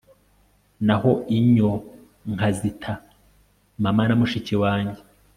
naho inyo nkazita 'mama' na mushiki wanjye